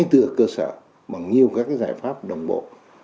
từ cơ sở bằng nhiều các giải pháp đồng bộ